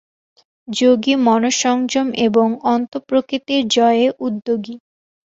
যোগী মনঃসংযম এবং অন্তঃপ্রকৃতির জয়ে উদ্যোগী।